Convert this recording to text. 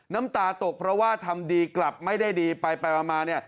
น้ำตาตกเพราะว่าทำดีกลับไม่ได้ดีไปมาเนี่ย